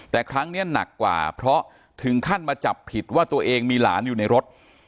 แต่ครั้งนี้หนักกว่าเพราะถึงขั้นมาจับผิดว่าตัวเองมีหลานอยู่ในรถ